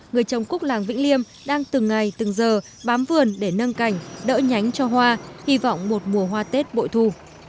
người trồng cúc làng vĩnh liêm đang từng ngày từng giờ bám vườn để nâng cảnh đỡ nhánh cho hoa hy vọng một mùa hoa tết bội thu